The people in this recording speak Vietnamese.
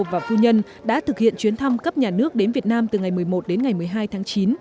và phu nhân đã thực hiện chuyến thăm cấp nhà nước đến việt nam từ ngày một mươi một đến ngày một mươi hai tháng chín